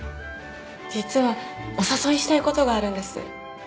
実はお誘いしたい事があるんです。